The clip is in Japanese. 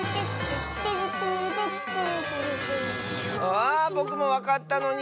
あぼくもわかったのに！